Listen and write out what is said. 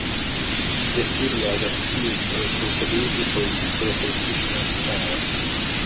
The city has assumed responsibility for its preservation and care.